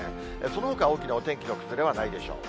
そのほか、大きなお天気の崩れはないでしょう。